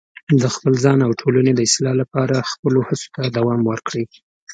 د خپل ځان او ټولنې د اصلاح لپاره خپلو هڅو ته دوام ورکړئ.